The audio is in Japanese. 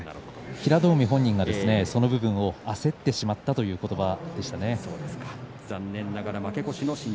平戸海本人がその部分焦ってしまったという言葉でした。